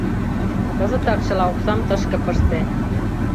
— Кызытак чыла оксам тышке пыште!